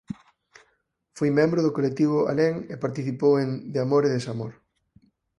Foi membro do colectivo Alén e participou en De amor e desamor.